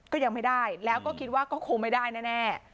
ก็ยังไม่ได้แล้วก็คิดว่าก็คงไม่ได้แน่